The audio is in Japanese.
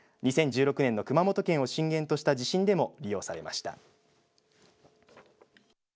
２０１６年の熊本県を震源とした地震でも利用されました。